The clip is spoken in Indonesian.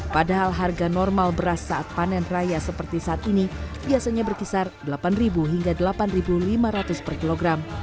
padahal harga normal beras saat panen raya seperti saat ini biasanya berkisar rp delapan hingga rp delapan lima ratus per kilogram